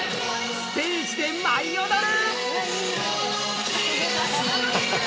ステージで、舞い踊る！